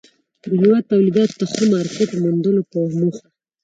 د هېواد توليداتو ته ښه مارکيټ موندلو په موخه